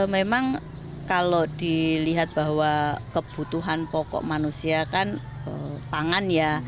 memang kalau dilihat bahwa kebutuhan pokok manusia kan pangan ya